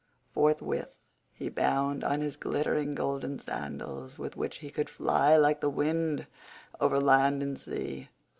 Forthwith he bound on his glittering golden sandals with which he could fly like the wind over land and sea.